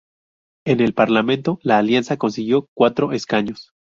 En el parlamento, la alianza consiguió cuatro escaños.